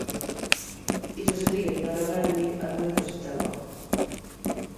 Iso sería, di Garamendi, a ruína do sistema.